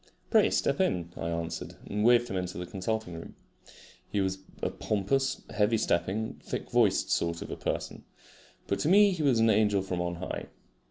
"Pray step in," I answered, and waved him into the consulting room. He was a pompous, heavy stepping, thick voiced sort of person, but to me he was an angel from on high.